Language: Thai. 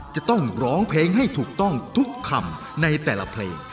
จะต้องร้องเพลงให้ถูกต้องทุกคำในแต่ละเพลง